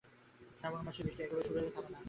শ্রাবণ মাসের বৃষ্টি একবার শুরু হলে থামবে না।